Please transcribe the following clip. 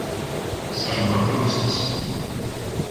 San Rocco’s School.